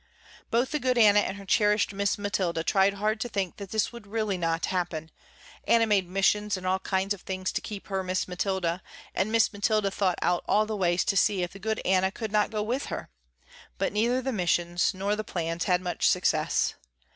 Both the good Anna and her cherished Miss Mathilda tried hard to think that this would not really happen. Anna made missions and all kinds of things to keep her Miss Mathilda and Miss Mathilda thought out all the ways to see if the good Anna could not go with her, but neither the missions nor the plans had much success.